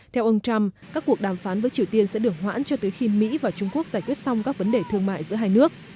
theo ông trump các cuộc đàm phán với triều tiên sẽ được hoãn cho tới khi mỹ và trung quốc giải quyết xong các vấn đề thương mại giữa hai nước